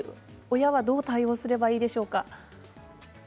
親はどう対応すればいいでしょうか。